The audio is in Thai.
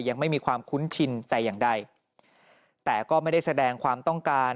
ยังไม่มีความคุ้นชินแต่อย่างใดแต่ก็ไม่ได้แสดงความต้องการ